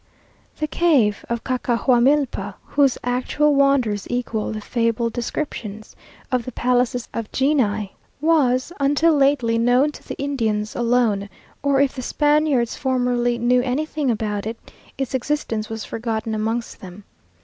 The cave of Cacahuamilpa, whose actual wonders equal the fabled descriptions of the palaces of Genii, was, until lately, known to the Indians alone, or if the Spaniards formerly knew anything about it, its existence was forgotten amongst them.